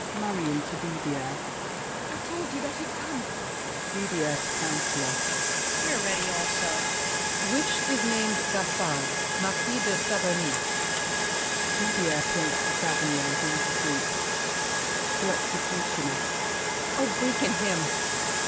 MARION (to Didier). I told you that he'd come! DIDIER (to Councilor). We're ready also. COUNCILOR. Which is named Gaspard, Marquis de Saverny? [Didier points to Saverny, who is asleep. [To Executioner.] Awaken him!